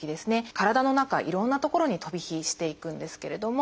体の中いろんな所に飛び火していくんですけれども。